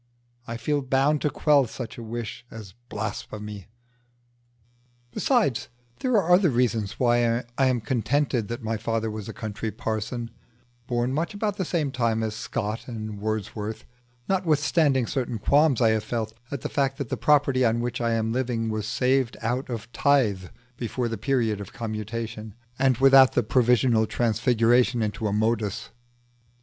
I feel bound to quell such a wish as blasphemy. Besides, there are other reasons why I am contented that my father was a country parson, born much about the same time as Scott and Wordsworth; notwithstanding certain qualms I have felt at the fact that the property on which I am living was saved out of tithe before the period of commutation, and without the provisional transfiguration into a modus.